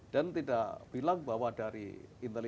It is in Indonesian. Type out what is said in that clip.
dan tidak bilang bahwa dari intelijen kejasaan